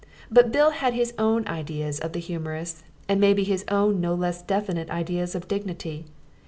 But Bill had his own ideas of the humorous, and maybe his own no less definite ideas of dignity.